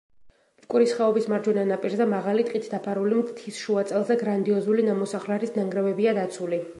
მტკვრის ხეობის მარჯვენა ნაპირზე, მაღალი, ტყით დაფარული მთის შუაწელზე გრანდიოზული ნამოსახლარის ნანგრევებია დაცული.